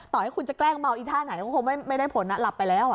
ต่อให้คุณจะแกล้งเมาอีท่าไหนก็คงไม่ได้ผลหลับไปแล้ว